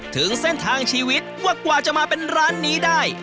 ถึงเส้นทางชีวิตว่ากว่าจะมาเป็นร้านนี้ได้